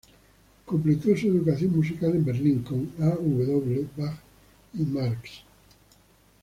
Completó su educación musical en Berlín con A. W. Bach y Marx.